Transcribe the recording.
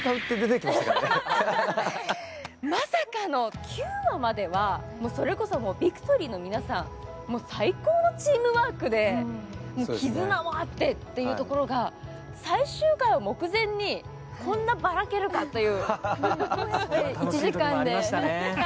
まさかの９話までは、それこそビクトリーの皆さん、最高のチームワークで絆があってというところが最終回を目前にこんなばらけるかと。